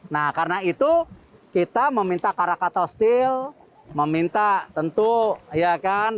nah karena itu kita meminta krakatau steel meminta tentu ya kan